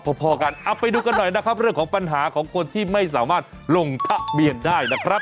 พอกันเอาไปดูกันหน่อยนะครับเรื่องของปัญหาของคนที่ไม่สามารถลงทะเบียนได้นะครับ